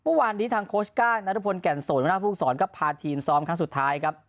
เมื่อวานนี้ทางโค้ชก้างนัทพลแก่นสนหัวหน้าภูมิสอนก็พาทีมซ้อมครั้งสุดท้ายครับ